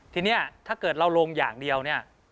ทีนี้ถ้าเกิดเราลงอย่างเดียวเนี่ย